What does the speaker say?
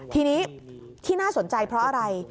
ทีนี้ที่น่าสนใจเพราะอะไร